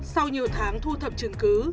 sau nhiều tháng thu thập chứng cứ